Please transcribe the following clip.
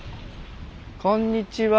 こんにちは。